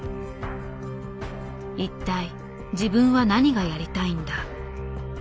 一体自分は何がやりたいんだ。